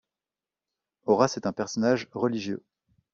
Horace est un personnage religieux.